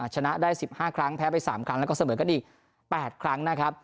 ชนะได้๑๕ครั้งแพ้ไป๓ครั้งแล้วก็เสมอกันอีก๘ครั้งนะครับ